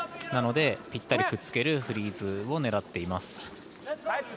なので、ぴったりくっつけるフリーズを狙っています。